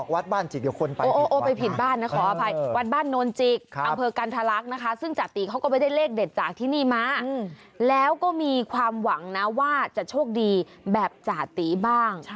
วัดบ้านนทรลักษณ์อำเภอกันทรลักษณ์นะคะซึ่งจ่าตีเขาก็ไม่ได้เลขเด็ดจากที่นี่มาแล้วก็มีความหวังนะว่าจะโชคดีแบบจ่าตีบ้าง